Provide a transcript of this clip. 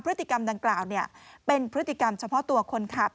พฤติกรรมดังกล่าวเป็นพฤติกรรมเฉพาะตัวคนขับ